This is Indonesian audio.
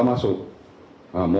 momen seperti itu dimanfaatkan